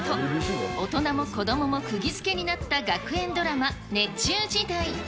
大人も子どももくぎづけになった学園ドラマ、熱中時代。